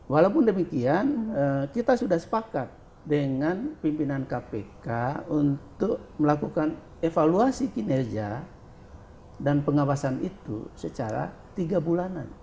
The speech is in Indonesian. walaupun demikian kita sudah sepakat dengan pimpinan kpk untuk melakukan evaluasi kinerja dan pengawasan itu secara tiga bulanan